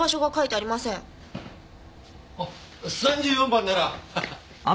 あっ３４番なら。